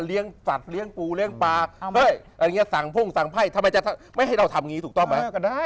เลี้ยงสัตว์เลี้ยงปูเลี้ยงปลาสั่งพุ่งสั่งไพ่ทำไมจะไม่ให้เราทำอย่างนี้ถูกต้องไหม